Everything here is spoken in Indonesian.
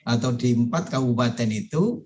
atau di empat kabupaten itu